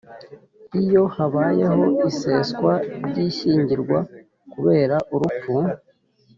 iyo habayeho iseswa ry ishyingirwa kubera urupfu